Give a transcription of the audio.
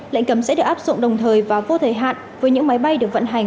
lệnh cấm sẽ được áp dụng đồng thời và vô thời hạn với những máy bay được vận hành